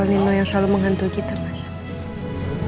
soal nino yang selalu menghantui kita mas